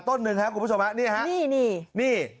ต้นหนึ่งครับคุณผู้ชมนี่ครับ